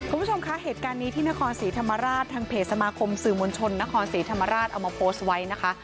คุณผู้ชมคะเหตุการณ์นี้ที่นครศรีธรรมราชทางเพจสมาคมสื่อมวลชนนครศรีธรรมราชเอามาโพสต์ไว้นะคะ